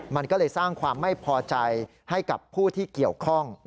มันก็เลยสร้างความไม่พอใจให้กับผู้ที่เกี่ยวข้อง